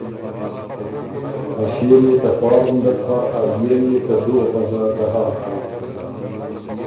ا ݭيې ميې ته خوار غُندک هۀ ا بيې ميې ته دُوّه په ځاکه هۀ